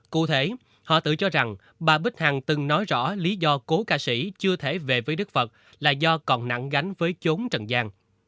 cụ thể họ tự cho rằng bà bích hằng từng nói rõ lý do cố ca sĩ chưa thể về với đức phật là do còn nặng gánh với chốn trần giang